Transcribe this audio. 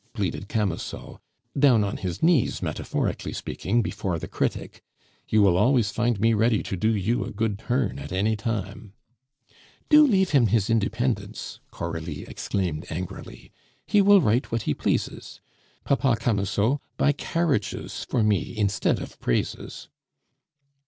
pleaded Camusot, down on his knees, metaphorically speaking, before the critic. "You will always find me ready to do you a good turn at any time." "Do leave him his independence," Coralie exclaimed angrily; "he will write what he pleases. Papa Camusot, buy carriages for me instead of praises."